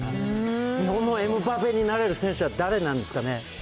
日本のエムバペになれる選手は選手は誰なんですかね。